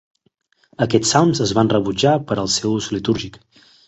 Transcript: Aquests salms es van rebutjat per al seu ús litúrgic.